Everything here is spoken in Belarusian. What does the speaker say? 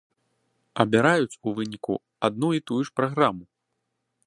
Абіраюць у выніку адну і тую ж праграму.